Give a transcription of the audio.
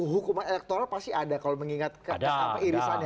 hukuman elektoral pasti ada kalau mengingat irisannya